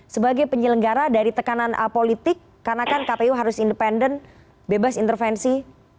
sebagai penyelenggara dari tekanan politik karena kan kpu harus independen bebas intervensi